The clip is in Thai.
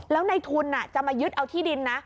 แล้วในทุนจะมายึดเอาที่ดินนะ